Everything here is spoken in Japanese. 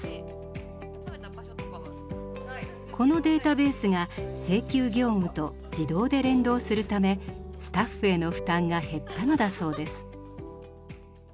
このデータベースが請求業務と自動で連動するためスタッフへの負担が減ったのだそうです。